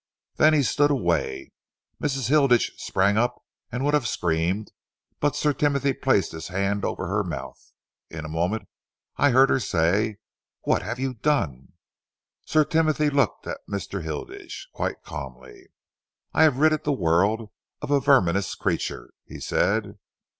Then he stood away. Mrs. Hilditch sprang up and would have screamed, but Sir Timothy placed his hand over her mouth. In a moment I heard her say, 'What have you done?' Sir Timothy looked at Mr. Hilditch quite calmly. 'I have ridded the world of a verminous creature,' he said.